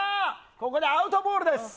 ここでアウトボール。